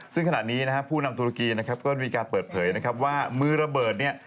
ซึ่งขนาดนี้ผู้นำธุรกีนะครับก็มีการเปิดเผยว่ามือระเบิดนี่